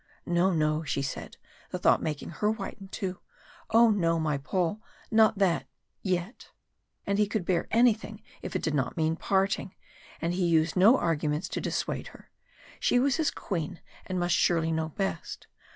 "No, no," she said, the thought making her whiten too. "Oh no! my Paul, not that yet!" Ah he could bear anything if it did not mean parting, and he used no arguments to dissuade her. She was his Queen and must surely know best.